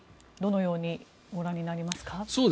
どのようにご覧になりますか？